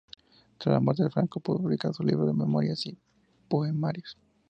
Tras la muerte de Franco pudo publicar sus libros de memorias y poemarios.